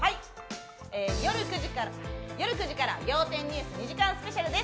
夜９時から『仰天ニュース』２時間スペシャルです。